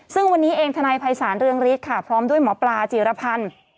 ซึ่งวันนี้เองทนายภัยศาลเรืองฤทธิ์ค่ะพร้อมด้วยหมอปลาจีรพันธ์